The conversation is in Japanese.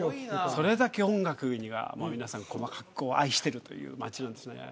それだけ音楽には皆さん細かくこう愛してるという街なんですね